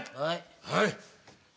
はい。